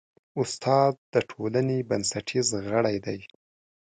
استاد د ټولنې بنسټیز غړی دی.